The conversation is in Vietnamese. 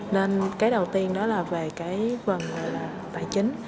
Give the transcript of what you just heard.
nên cái đầu tiên đó là về cái phần là tài chính